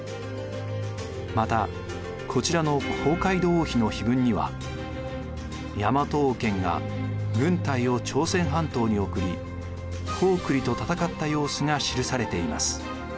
またこちらの広開土王碑の碑文には大和王権が軍隊を朝鮮半島に送り高句麗と戦った様子が記されています。